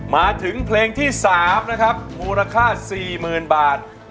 มาถึงเพลงที่๓โมนาค่า๔๐๐๐๐บาท